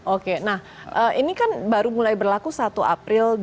oke nah ini kan baru mulai berlaku satu april dua ribu dua puluh